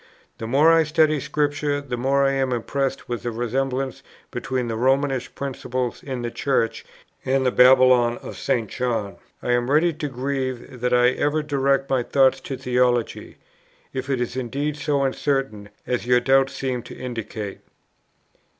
The more I study Scripture, the more am I impressed with the resemblance between the Romish principle in the Church and the Babylon of St. John.... I am ready to grieve that I ever directed my thoughts to theology, if it is indeed so uncertain, as your doubts seem to indicate."